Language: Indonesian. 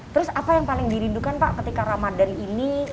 terus apa yang paling dirindukan pak ketika ramadhan ini